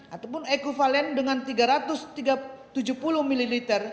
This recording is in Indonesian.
ataupun ekvivalen dengan tiga ratus tujuh puluh ml